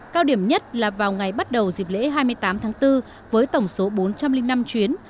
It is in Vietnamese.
cao điểm nhất là vào ngày bắt đầu dịp lễ hai mươi tám tháng bốn với tổng số bốn trăm linh năm chuyến